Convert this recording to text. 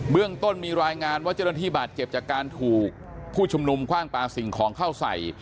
เรื่องต้นมีรายงานว่าเจ้าหน้าที่บาดเจ็บจากการถูกผู้ชุมนุมคว่างปลาสิ่งของเข้าใส่